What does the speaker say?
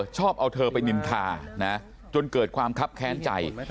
ชอบเอาเธอไปนินทานะจนเกิดความคับแค้นใจ